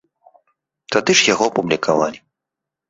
Тады ж яго апублікавалі.